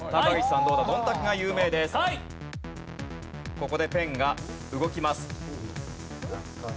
ここでペンが動きます。